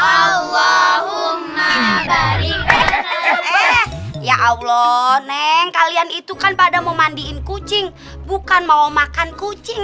allahumma barikata ya allah neng kalian itu kan pada memandiin kucing bukan mau makan kucing